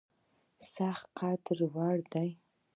سختۍ د قدر وړ دي.